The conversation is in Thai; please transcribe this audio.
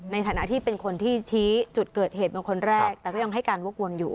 ในฐานะที่เป็นคนที่ชี้จุดเกิดเหตุเป็นคนแรกแต่ก็ยังให้การวกวนอยู่